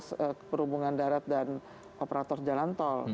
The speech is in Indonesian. di atas perhubungan darat dan operator jalan tol